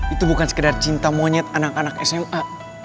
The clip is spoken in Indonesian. itu bukan sekedar cinta monyet anak anak sma